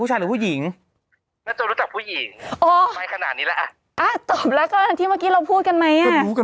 รู้จักเองสองคนไหมคะ